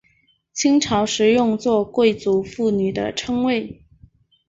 清朝时用作贵族妇女的称谓。